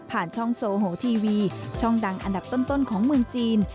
ช่องโซโหทีวีช่องดังอันดับต้นของเมืองจีน